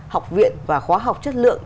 học viện và khóa học chất lượng